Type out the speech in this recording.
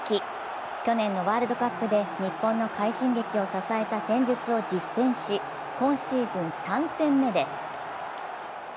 去年のワールドカップで日本の快進撃を支えた戦術を実践し、今シーズン３点目です。